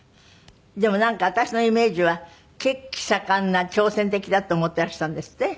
でもなんか私のイメージは血気盛んな挑戦的だって思っていらしたんですって？